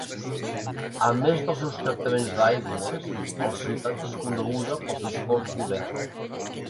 A més dels seus tractaments d"aigües, la ciutat és coneguda pels esports d'hivern.